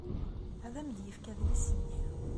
Ad am-d-yefk adlis-nni.